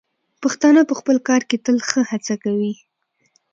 پښتانه په خپل کار کې تل ښه هڅه کوي.